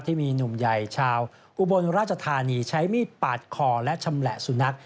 ที่มีหนุ่มใหญ่ชาวอุบลราชธานีใช้มีดปาดคอและชำแหละสุนัข